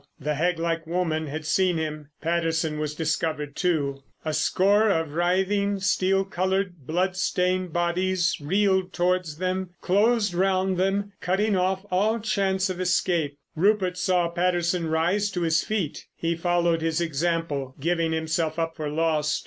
The hag like woman had seen him. Patterson was discovered, too. A score of writhing, steel coloured, blood stained bodies reeled towards them, closed round them, cutting off all chance of escape. Rupert saw Patterson rise to his feet. He followed his example, giving himself up for lost.